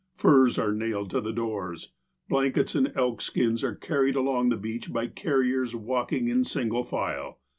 Furs are nailed to the doors. Blankets and elk skins are carried along the beach by carriers walking iu single file.